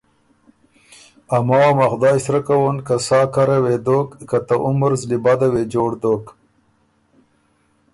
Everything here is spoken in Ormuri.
ا ماوه م ا خدای سرۀ کوون که سا کره وې دوک که ته عمر زلی بده وې جوړ دوک۔